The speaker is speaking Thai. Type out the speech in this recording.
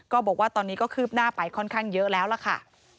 บอกว่าตอนนี้ก็คืบหน้าไปค่อนข้างเยอะแล้วล่ะค่ะ